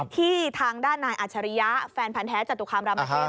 ที่ทางด้านนายอัชริยะแฟนพันธ์แท้จตุคามรามเทพ